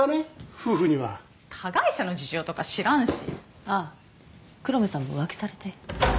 夫婦には加害者の事情とか知らんしあっ黒目さんも浮気されて？